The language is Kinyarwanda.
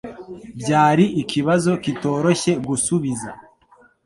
Byari ikibazo kitoroshye gusubiza.